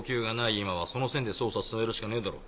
今はその線で捜査進めるしかねえだろ。